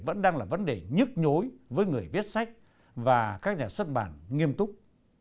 vẫn đang là vấn đề nhức nhối với người viết sách và các nhà xuất bản nghiêm túc